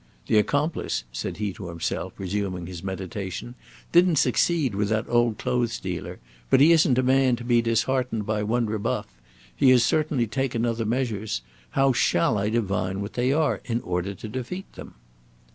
"The accomplice," said he to himself, resuming his meditation, "didn't succeed with that old clothes dealer; but he isn't a man to be disheartened by one rebuff. He has certainly taken other measures. How shall I divine what they are in order to defeat them?"